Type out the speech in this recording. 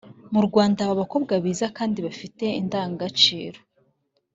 Mu rwanda haba abakobwa beza kandi bafite indanga gaciro